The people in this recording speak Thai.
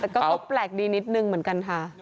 แต่ก็แปลกดีนิดนึงเหมือนกันค่ะ